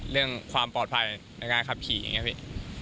เรื่องความปลอดภัยในการขับขี่อย่างนี้พี่